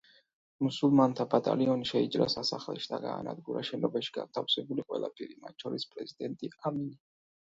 მუსულმანთა ბატალიონი შეიჭრა სასახლეში და გაანადგურა შენობაში განთავსებული ყველა პირი, მათ შორის პრეზიდენტი ამინი.